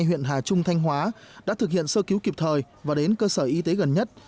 huyện hà trung thanh hóa đã thực hiện sơ cứu kịp thời và đến cơ sở y tế gần nhất